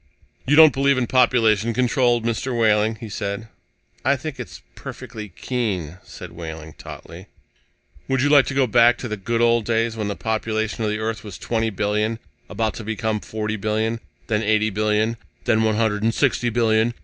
"You don't believe in population control, Mr. Wehling?" he said. "I think it's perfectly keen," said Wehling tautly. "Would you like to go back to the good old days, when the population of the Earth was twenty billion about to become forty billion, then eighty billion, then one hundred and sixty billion?